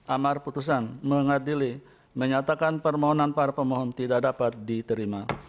amar putusan mengadili menyatakan permohonan para pemohon tidak dapat diterima